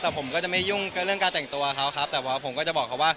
แต่ผมจะไม่ยุ่งเรื่องการแต่งตัวครับแต่ผมจะบอกว่า